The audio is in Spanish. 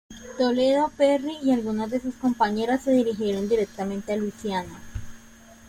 Toledo, Perry y algunos de sus compañeros se dirigieron directamente a Luisiana.